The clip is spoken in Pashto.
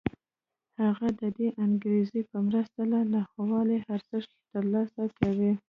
هغه د دې انګېزې په مرسته له ناخوالو ارزښت ترلاسه کوي